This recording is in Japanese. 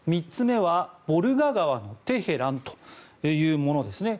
３つ目はボルガ川のテヘランというものです。